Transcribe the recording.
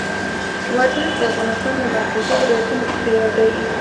وردګ د افغانستان له مرکزي ولایتونو څخه یو دی.